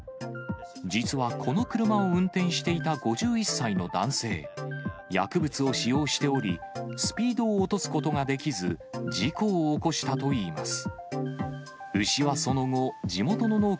実はこの車を運転していた５１歳の男性、薬物を使用しており、スピードを落とすことができず、事故を起こしたといいます。